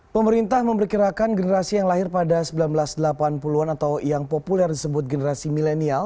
pemerintah memperkirakan generasi yang lahir pada seribu sembilan ratus delapan puluh an atau yang populer disebut generasi milenial